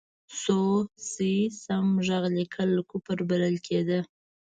سو، سي، سم، ږغ لیکل کفر بلل کېده.